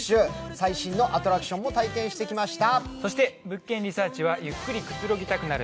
最新のアトラクションを体験してきました。